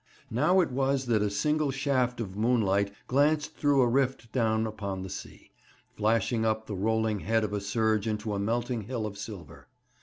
Now it was that a single shaft of moonlight glanced through a rift down upon the sea, flashing up the rolling head of a surge into a melting hill of silver.